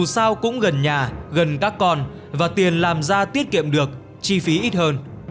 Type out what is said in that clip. sao cũng gần nhà gần các con và tiền làm ra tiết kiệm được chi phí ít hơn